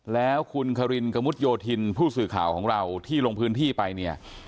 แล้วคุณคารินกระมุดโยธินผู้สื่อข่าวของเราที่ลงพื้นที่ไปเนี่ย